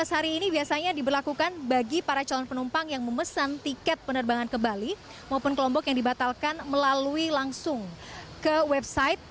tujuh belas hari ini biasanya diberlakukan bagi para calon penumpang yang memesan tiket penerbangan ke bali maupun kelompok yang dibatalkan melalui langsung ke website